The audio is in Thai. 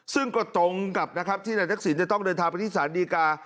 ซึ่งก็ตรงกับนะครับที่นายทักษิณจะต้องเดินทางไปที่สารดีกา